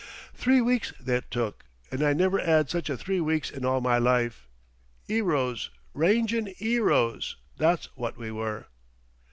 Three weeks that took, and I never 'ad such a three weeks in all my life. 'Eroes, ragin' 'eroes that's wot we were!